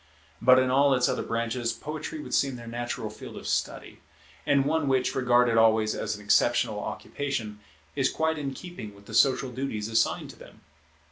But in all its other branches, poetry would seem their natural field of study; and one which, regarded always as an exceptional occupation, is quite in keeping with the social duties assigned to them.